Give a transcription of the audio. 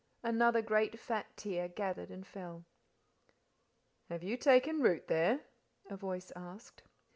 Another great fat tear gathered and fell. "Have you taken root there?" a voice asked.